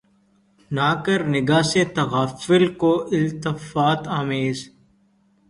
نہ کر نگہ سے تغافل کو التفات آمیز